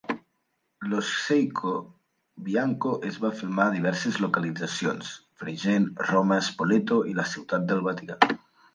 Lo sceicco bianco es va filmar a diverses localitzacions: Fregene, Roma, Spoleto i la Ciutat del Vaticà.